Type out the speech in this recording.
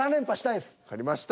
わかりました。